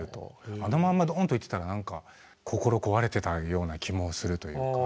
あのまんまドンといってたら何か心壊れてたような気もするというか。